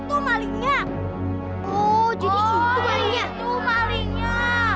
oh jadi itu malingnya